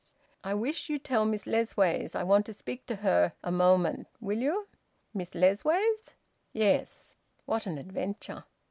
"I wish you'd tell Miss Lessways I want to speak to her a moment, will you?" "Miss Lessways?" "Yes." What an adventure!